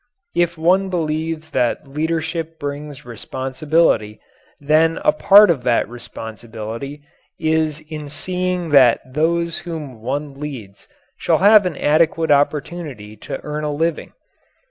If one believes that leadership brings responsibility, then a part of that responsibility is in seeing that those whom one leads shall have an adequate opportunity to earn a living.